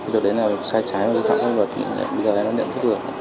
điều đấy nào sai trái hơi thẳng hơi vật